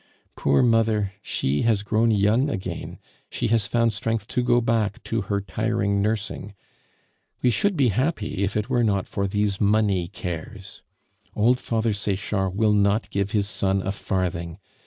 Poor mother! she has grown young again; she has found strength to go back to her tiring nursing. We should be happy if it were not for these money cares. Old Father Sechard will not give his son a farthing.